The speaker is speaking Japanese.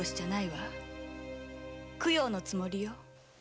供養のつもりよ。